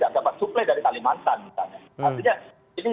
yang perlu yang progresif lebih banyak saya yakin taptu mampu kalau urusan minyak goreng